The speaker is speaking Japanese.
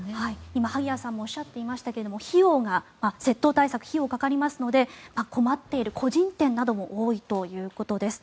今、萩谷さんもおっしゃっていましたが窃盗対策費用がかかりますので困っている個人店なども多いということです。